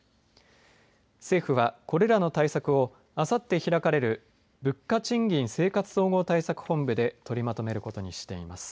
政府は、これらの対策をあさって開かれる物価・賃金・生活総合対策本部で取りまとめることにしています。